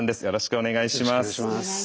よろしくお願いします。